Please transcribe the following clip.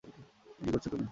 কি করছো তুমি।